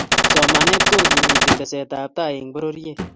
Somanet kokimiti tesetab tai eng' pororiet